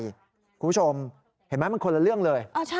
คุณผู้ชมเห็นไหมมันคนละเรื่องเลย